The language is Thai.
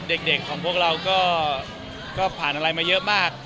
เด็กของพวกเราก็ผ่านอะไรมาเยอะมาก